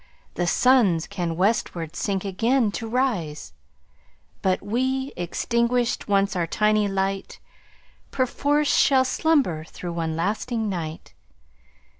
The Suns can westward sink again to rise But we, extinguished once our tiny light, 5 Perforce shall slumber through one lasting night!